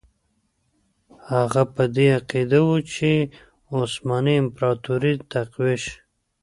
هغه په دې عقیده وو چې عثماني امپراطوري تقویه شي.